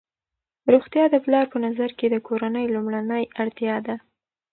روغتیا د پلار په نظر کې د کورنۍ لومړنۍ اړتیا ده.